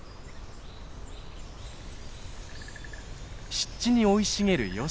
湿地に生い茂るヨシ。